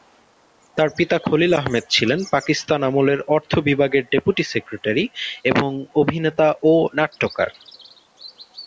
তার পিতা খলিল আহমেদ ছিলেন পাকিস্তান আমলের অর্থ বিভাগের ডেপুটি সেক্রেটারি এবং অভিনেতা ও নাট্যকার।